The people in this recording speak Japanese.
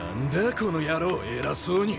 この野郎偉そうに！